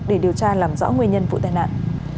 để điều tra làm rõ nguyên nhân vụ tai nạn